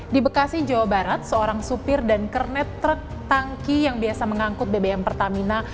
di bekasi jawa barat seorang supir dan kernet truk tangki yang biasa mengangkut bbm pertamina